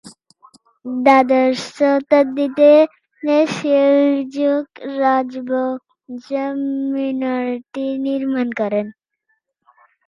দ্বাদশ শতাব্দীতে সেলজুক রাজবংশ মিনারটি নির্মাণ করেন।